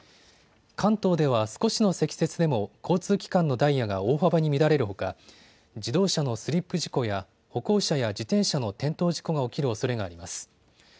関東では少しの積雪でも交通機関のダイヤが大幅に乱れるほか自動車のスリップ事故や歩行者や自転車の転倒事故が起きるおそれがあります。